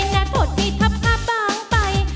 แน่โทษที่ทับผ้าบางไป